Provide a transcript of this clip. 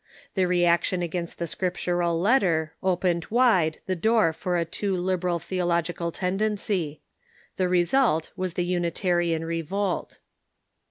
The reaction against the Script ural letter opened wide the door for a too liberal theological tendency. The result was the Unitarian revolt.